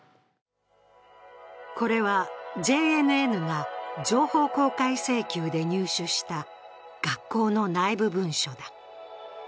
これはＪＮＮが情報公開請求で入手した学校の内部文書だ。